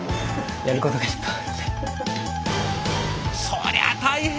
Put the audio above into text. そりゃあ大変！